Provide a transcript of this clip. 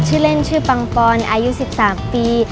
ชื่อเล่นชื่อปังปอนอายุ๑๓ปี